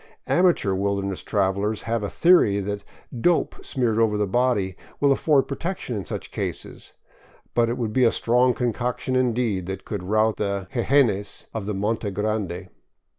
Amateur wilderness travelers have a theory that " dope " smeared over the body will afford protec tion in such cases, but it would be a strong concoction indeed that could rout the jejenes of the Monte Grande.